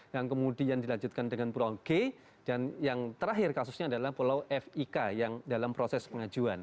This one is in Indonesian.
yang kemudian dilanjutkan dengan pulau g dan yang terakhir kasusnya adalah pulau fik yang dalam proses pengajuan